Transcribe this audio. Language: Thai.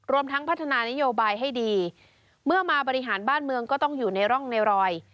ทั้งพัฒนานโยบายให้ดีเมื่อมาบริหารบ้านเมืองก็ต้องอยู่ในร่องในรอย